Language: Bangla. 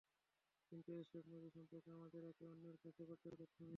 কিন্তু এসব নদী সম্পর্কে আমাদের একে অন্যের কাছে পর্যাপ্ত তথ্য নেই।